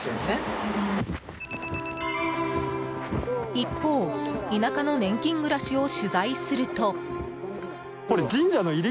一方、田舎の年金暮らしを取材すると。